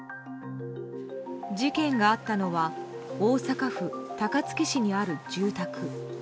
事件があったのは大阪府高槻市にある住宅。